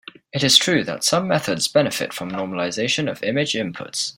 It is true that some methods benefit from normalization of image inputs.